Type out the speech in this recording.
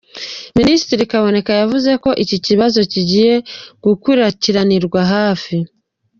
Minisitiri Kaboneka yavuze ko iki kibazo kigiye gukurikiranirwa hafi.